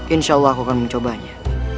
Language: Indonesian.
insyaallah aku akan mencobanya